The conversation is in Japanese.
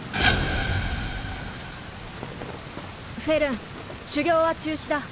フェルン修行は中止だ。